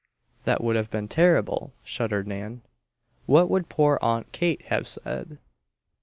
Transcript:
"That would have been terrible!" shuddered Nan. "What would poor Aunt Kate have said?"